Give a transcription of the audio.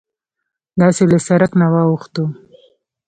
داسې له سرک نه واوښتوو.